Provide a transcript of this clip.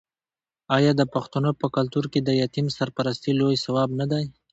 آیا د پښتنو په کلتور کې د یتیم سرپرستي لوی ثواب نه دی؟